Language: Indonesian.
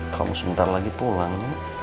kamu sebentar lagi pulang